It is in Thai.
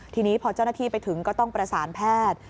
ทีนี้พอเจ้าหน้าที่ไปถึงก็ต้องประสานแพทย์